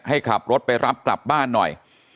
ให้ขับรถไปรับกลับบ้านหน่อย